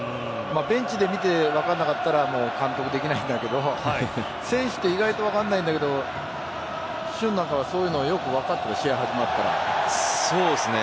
ベンチで見て分からなかったら監督できないんだけど選手は意外と分からないんだけど俊なんかはそういうのをよく分かっているそうですね。